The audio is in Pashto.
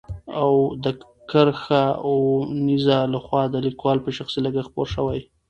او د کرښه اوو نيزه له خوا د ليکوال په شخصي لګښت خپور شوی.